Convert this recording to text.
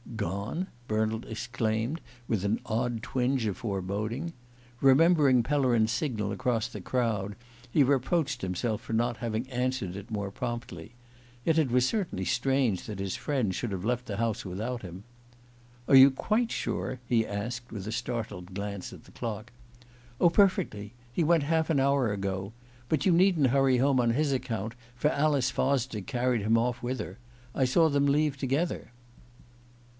"Gone?" Bernald exclaimed, with an odd twinge of foreboding. Remembering Pellerin's signal across the crowd, he reproached himself for not having answered it more promptly. Yet it was certainly strange that his friend should have left the house without him. "Are you quite sure?" he asked, with a startled glance at the clock. "Oh, perfectly. He went half an hour ago. But you needn't hurry home on his account, for Alice Fosdick carried him off with her. I saw them leave together."